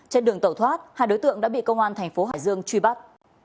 trên đường tẩu thoát hai đối tượng đã bị công an thành phố hải dương truy bắt